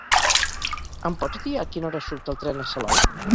Em pots dir a quina hora surt el tren a Salou?